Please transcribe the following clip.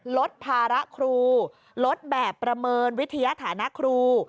ลดภาระครูลดแบบประเมินวิทยาฐานะครู